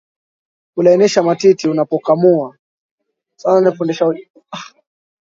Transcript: kulainisha matiti unapokamua